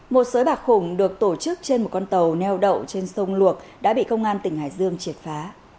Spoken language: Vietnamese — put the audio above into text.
một sới bạc khủng được tổ chức trên một con tàu neo đậu trên sông luộc đã bị công an tỉnh hải dương triệt phá